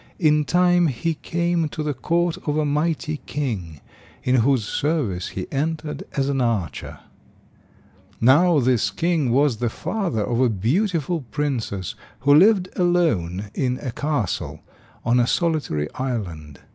In time he came to the court of a mighty king, in whose service he entered as an archer. Now this king was the father of a beautiful princess who lived alone in a castle on a solitary island.